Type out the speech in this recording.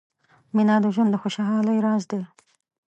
• مینه د ژوند د خوشحالۍ راز دی.